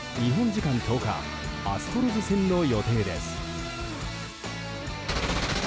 時間１０日アストロズ戦の予定です。